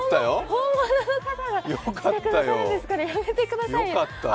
本物の方が来てくださるんですから、やめてください！